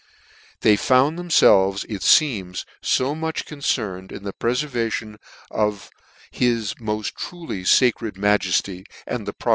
" They found themfelves, it feems, fo much concerned in the prefervanon of his moft trul^ iacred majefty, and the Pror.